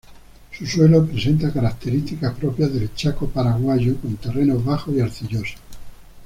Su suelo presenta características propias del Chaco Paraguayo, con terrenos bajos y arcillosos.